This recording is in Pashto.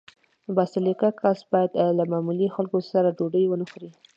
با سلیقه کس باید له معمولي خلکو سره ډوډۍ ونه خوري.